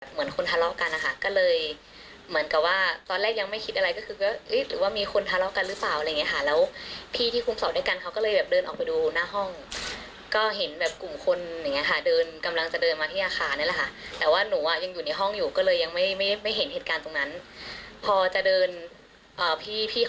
เหมือนคนทะเลาะกันนะคะก็เลยเหมือนกับว่าตอนแรกยังไม่คิดอะไรก็คือก็เอ๊ะหรือว่ามีคนทะเลาะกันหรือเปล่าอะไรอย่างเงี้ยค่ะแล้วพี่ที่คุ้มสอบด้วยกันเขาก็เลยแบบเดินออกไปดูหน้าห้องก็เห็นแบบกลุ่มคนอย่างเงี้ค่ะเดินกำลังจะเดินมาที่อาคารนี่แหละค่ะแต่ว่าหนูอ่ะยังอยู่ในห้องอยู่ก็เลยยังไม่ไม่เห็นเหตุการณ์ตรงนั้นพอจะเดินอ่าพี่พี่